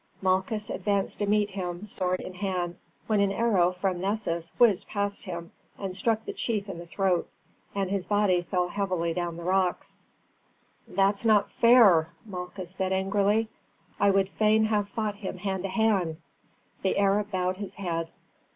Malchus advanced to meet him, sword in hand, when an arrow from Nessus whizzed past him and struck the chief in the throat, and his body fell heavily down the rocks. "That is not fair," Malchus said angrily. "I would fain have fought him hand to hand." The Arab bowed his head.